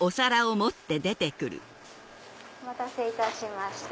お待たせいたしました。